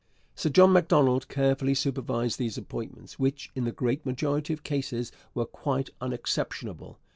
Sir John Macdonald carefully supervised these appointments, which in the great majority of cases were quite unexceptionable.